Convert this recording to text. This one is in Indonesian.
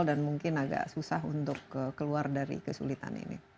dan mungkin agak susah untuk keluar dari kesulitan ini